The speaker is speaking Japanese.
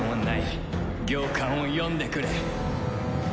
行間を読んでくれ。